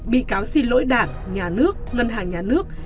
bị cáo xin lỗi đảng nhà nước ngân hàng nhà nước